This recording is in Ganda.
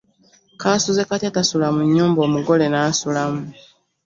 Kaasuzekatya tasula mu nnyumba omugole n’asulamu